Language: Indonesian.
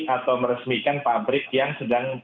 atau meresmikan pabrik yang sedang